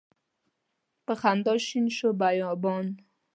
په خندا شو بیابان